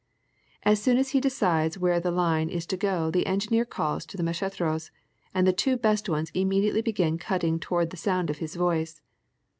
As soon as he decides where the line is to go the engineer calls to the m^acheteros and the two best ones immediately begin cut ting toward the sound of his voice.